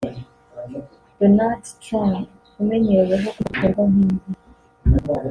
Donald Trump umenyereweho kuvuga ku bikorwa nk’ibi